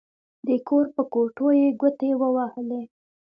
د کور په کوټو يې ګوتې ووهلې.